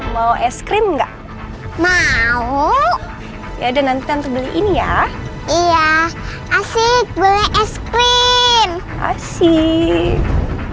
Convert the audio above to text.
mau es krim enggak mau ya udah nanti beli ini ya iya asyik beli es krim asyik